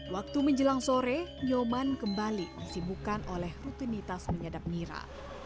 waktu menjelang sore nyoman kembali disibukkan oleh rutinitas menyadap nira